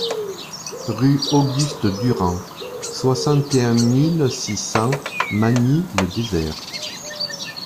Rue Auguste Durand, soixante et un mille six cents Magny-le-Désert